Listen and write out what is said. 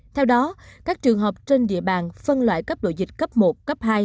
theo đó các trường học trên địa bàn phân loại cấp độ dịch cấp một cấp hai